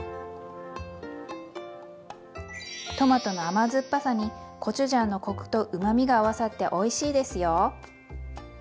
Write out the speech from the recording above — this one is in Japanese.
トマトの甘酸っぱさにコチュジャンのコクとうまみが合わさっておいしいですよ。